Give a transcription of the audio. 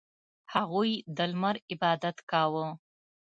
• هغوی د لمر عبادت کاوه.